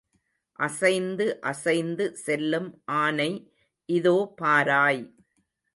அசைந்து அசைந்து செல்லும் ஆனை இதோ பாராய்.